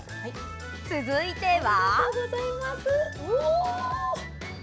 続いては。